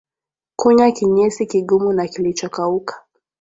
Kunya kinyesi kigumu na kilichokauka